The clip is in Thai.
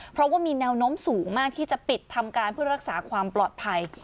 เพราะว่ามีแนวโน้มสูงมากที่จะปิดทำการเพื่อรักษาความปลอดภัย